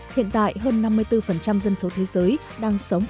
hiện tại hơn năm mươi bốn dân số thế giới đang sống